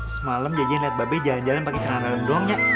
semalam janjiin liat babe jangan jalan pake channel dalam doang ya